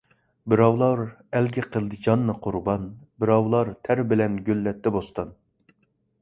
بىراۋلار ئەلگە قىلدى جاننى قۇربان، بىراۋلار تەر بىلەن گۈللەتتى بوستان.